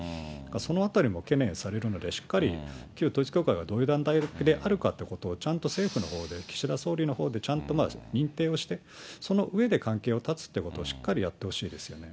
そのあたりも懸念されるので、しっかり統一教会がどういう団体であるかということをちゃんと政府のほうで、岸田総理のほうでちゃんと認定をして、その上で関係を断つってことをしっかりやってほしいですよね。